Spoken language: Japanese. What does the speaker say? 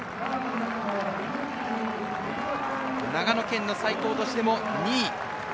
長野県の最高としても２位。